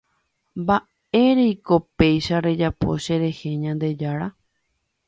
Mba'éreiko péicha rejapo cherehe Ñandejára